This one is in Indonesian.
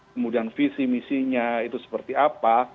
kemudian visi misinya itu seperti apa